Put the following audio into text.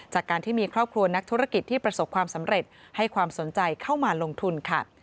จากการที่มีครอบครัวนักธุรกิจที่ประสบความสำเร็จให้ความสนใจเข้ามาลงทุนค่ะ